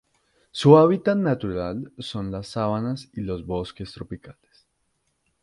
Su hábitat natural son las sabanas y los bosques tropicales.